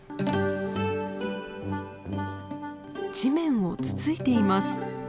地面をつついています。